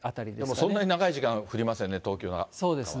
そんなに長い時間降りませんね、東京は。